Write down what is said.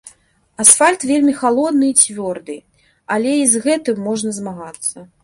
Асфальт вельмі халодны і цвёрды, але і з гэтым можна змагацца.